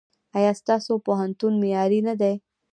ایا ستاسو پوهنتون معیاري نه دی؟